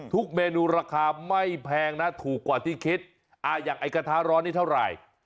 เมนูราคาไม่แพงนะถูกกว่าที่คิดอย่างไอ้กระทะร้อนนี่เท่าไหร่